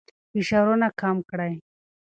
فشارونه کم کړئ.